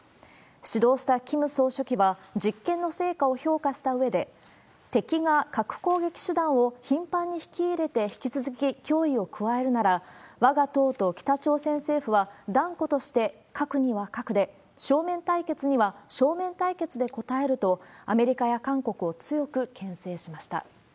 主導したキム総書記は、実験の成果を評価したうえで、敵が核攻撃手段を頻繁に引き入れて引き続き脅威を加えるなら、わが党と北朝鮮政府は、断固として核には核で、正面対決には正面対決で応えると、アメリカや韓国を強くけん制しました。